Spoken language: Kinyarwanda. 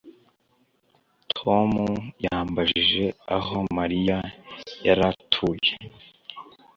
Tom yambajije aho Mariya yari atuye